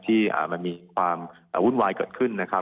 ที่มันมีความวุ่นวายเกิดขึ้นนะครับ